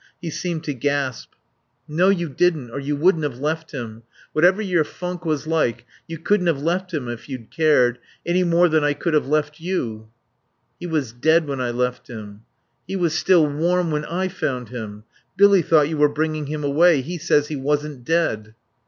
He seemed to gasp. " No, you didn't or you wouldn't have left him. Whatever your funk was like, you couldn't have left him if you'd cared, any more than I could have left you." "He was dead when I left him." "He was still warm when I found him. Billy thought you were bringing him away. He says he wasn't dead."